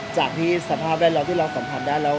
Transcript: จากที่สภาพแวดล้อมที่เราสัมผัสได้แล้ว